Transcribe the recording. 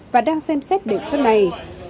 và đang xem xét đề xuất này